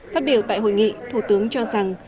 phát biểu tại hội nghị thủ tướng cho rằng